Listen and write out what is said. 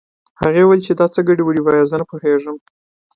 هغې وويل چې دا څه ګډې وډې وايې زه نه پوهېږم